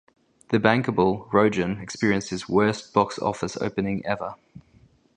The "bankable" Rogen experienced his "worst box-office opening ever".